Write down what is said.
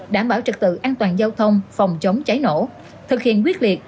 đảm bảo trật tự an toàn giao thông phòng chống cháy nổ thực hiện quyết liệt